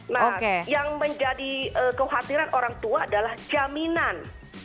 nah yang menjadi kekhawatiran orang tua adalah jaminan